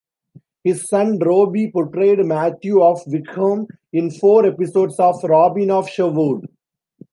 His son Robbie portrayed Matthew of Wickham in four episodes of "Robin of Sherwood".